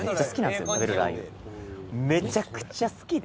めちゃくちゃ好きで。